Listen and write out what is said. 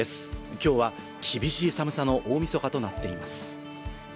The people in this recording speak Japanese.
今日は厳しい寒さの大みそかとなっています。